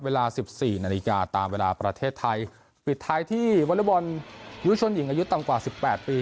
เวลา๑๔นาฬิกาตามเวลาประเทศไทยปิดท้ายที่วรรยบรณยุชนหญิงอายุต่ำกว่า๑๘ปี